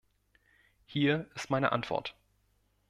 Hier ist meine Antwort.